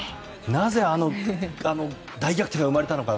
なぜあの大逆転が生まれたのか。